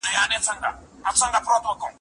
لومړنی دولت څنګه منځ ته راغی؟